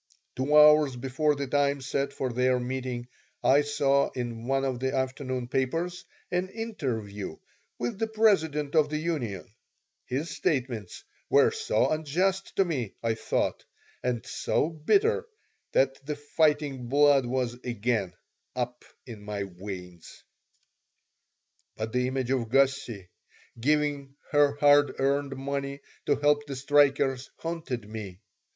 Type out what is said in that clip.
Two hours before the time set for their meeting I saw in one of the afternoon papers an interview with the president of the union. His statements were so unjust to me, I thought, and so bitter, that the fighting blood was again up in my veins But the image of Gussie giving her hard earned money to help the strikers haunted me.